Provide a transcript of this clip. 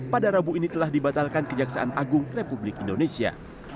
pada rabu ini telah dibatalkan kejaksaan agung republik indonesia